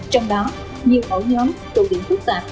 trong đó nhiều hậu nhóm tụ điểm phức tạp